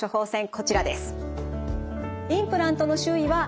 こちらです。